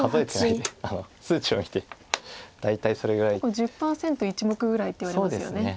１０％１目ぐらいって言われますよね。